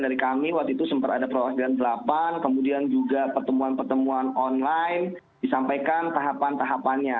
dari kami waktu itu sempat ada perwakilan delapan kemudian juga pertemuan pertemuan online disampaikan tahapan tahapannya